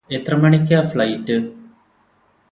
എത്ര മണിക്കാ ഫ്ലൈറ്റ്?